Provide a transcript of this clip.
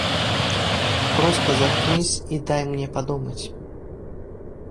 Просто заткнись и дай мне подумать!